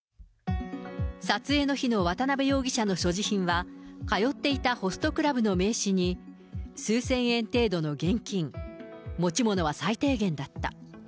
撮影の日の渡辺容疑者の所持品は、通っていたホストクラブの名刺に、数千円程度の現金、持ち物は最低限だった。